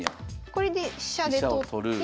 これで飛車で取って。